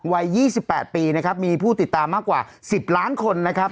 วัย๒๘ปีนะครับมีผู้ติดตามมากกว่า๑๐ล้านคนนะครับ